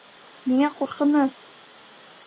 Миңә ҡурҡыныс!